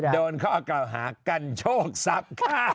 โดนเขากล่าวหากันโชคทรัพย์ค่ะ